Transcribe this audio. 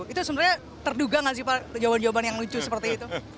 itu sebenarnya terduga gak sih pak jawaban jawaban yang lucu seperti itu